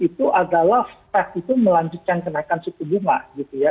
itu adalah fed itu melanjutkan kenaikan suku bunga gitu ya